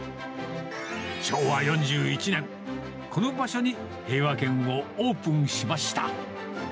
昭和４１年、この場所に平和軒をオープンしました。